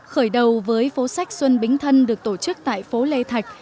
khởi đầu với phố sách xuân bính thân được tổ chức tại phố lê thạch